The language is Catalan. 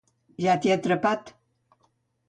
Ja t'he atrapat.